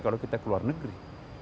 kalau kita ke luar negeri